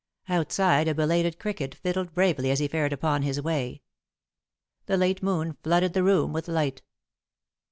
Outside a belated cricket fiddled bravely as he fared upon his way. The late moon flooded the room with light.